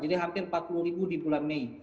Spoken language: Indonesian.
jadi hampir empat puluh di bulan mei